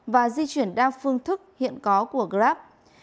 và di chuyển đa phương thức hiện có của grab